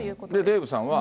デーブさんは。